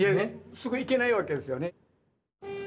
すぐ行けないわけですよね。